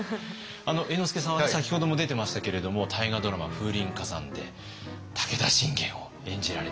猿之助さんは先ほども出てましたけれども大河ドラマ「風林火山」で武田信玄を演じられて。